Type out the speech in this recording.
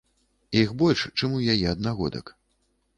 Іх больш, чым у яе аднагодак.